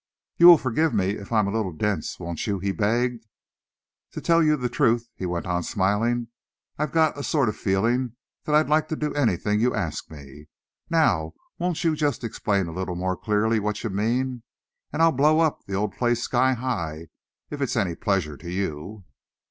"You will forgive me if I am a little dense, won't you?" he begged. "To tell you the truth," he went on, smiling, "I've got a sort of feeling that I'd like to do anything you ask me. Now won't you just explain a little more clearly what you mean, and I'll blow up the old place sky high, if it's any pleasure to you."